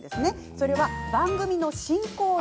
それは番組の進行役。